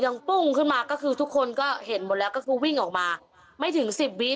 ปุ้งขึ้นมาก็คือทุกคนก็เห็นหมดแล้วก็คือวิ่งออกมาไม่ถึงสิบวิ